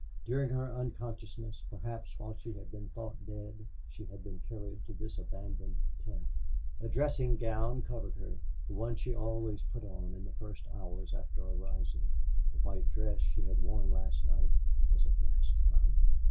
During her unconsciousness, perhaps while she had been thought dead, she had been carried to this abandoned tent. A dressing gown covered her, the one she always put on in the first hours after arising. The white dress she had worn last night was it last night?